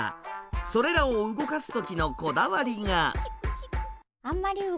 それらを動かす時のこだわりが。